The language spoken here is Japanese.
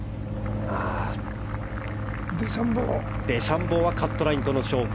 デシャンボーはカットラインとの勝負。